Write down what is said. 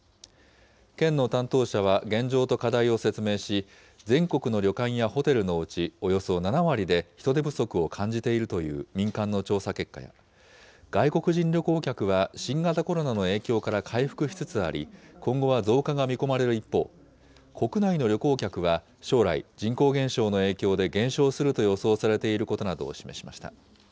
県の担当者は現状と課題を説明し、全国の旅館やホテルのうちおよそ７割で人手不足を感じているという民間の調査結果や、外国人旅行客は新型コロナの影響から回復しつつあり、今後は増加が見込まれる一方、国内の旅行客は将来、人口減少の影響で減少すると予想されていることなどを示しました。